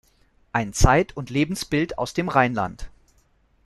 Ein Zeit- und Lebensbild aus dem Rheinland".